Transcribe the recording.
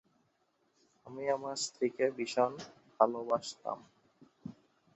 আমি আমার স্ত্রীকে ভীষণ ভালোবাসতাম।